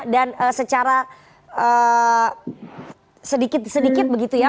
dan secara sedikit sedikit begitu ya